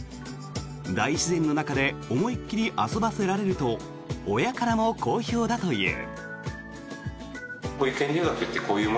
大自然の中で思いっ切り遊ばせられると親からも好評だという。